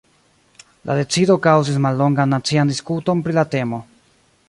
La decido kaŭzis mallongan nacian diskuton pri la temo.